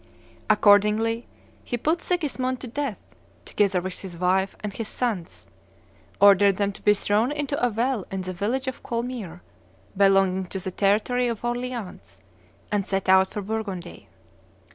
Accordingly he put Sigismund to death, together with his wife and his sons, ordered them to be thrown into a well in the village of Coulmier, belonging to the territory of Orleans, and set out for Burgundy.